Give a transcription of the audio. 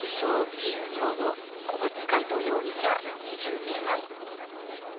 自由業の小松魁人容疑者、２２歳。